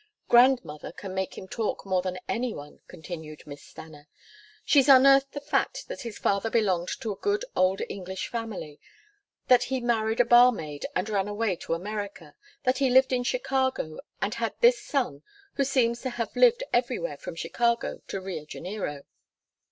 "Grandmother can make him talk more than any one," continued Miss Stanna. "She's unearthed the fact that his father belonged to a good, old English family, that he married a barmaid and ran away to America, that he lived in Chicago, and had this son who seems to have lived everywhere from Chicago to Rio Janeiro."